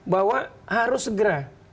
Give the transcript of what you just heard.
bahwa harus segera